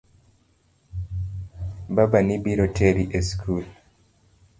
Babani biro teri e school .